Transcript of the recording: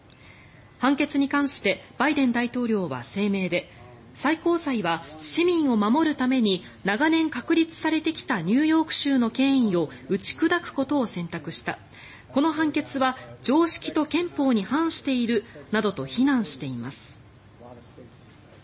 判決に関してバイデン大統領は声明で最高裁は、市民を守るために長年確立されてきたニューヨーク州の権威を打ち砕くことを選択したこの判決は常識と憲法に反しているなどと非難しています。